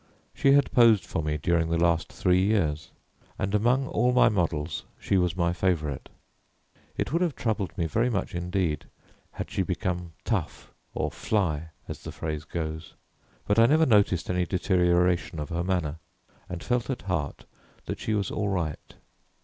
She had posed for me during the last three years, and among all my models she was my favourite. It would have troubled me very much indeed had she become "tough" or "fly," as the phrase goes, but I never noticed any deterioration of her manner, and felt at heart that she was all right.